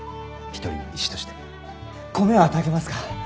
米は炊けますか？